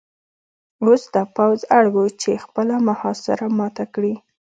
اوس دا پوځ اړ و چې خپله محاصره ماته کړي